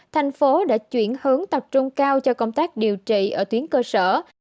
thành phố đã chuyển hướng tập trung cao cho công tác điều trị ở tuyến cơ sở